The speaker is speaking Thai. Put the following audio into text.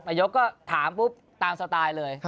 นายกก็ถามปุ๊บตามสไตล์เลย